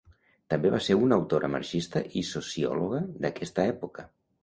També va ser una autora marxista i sociòloga d'aquesta època.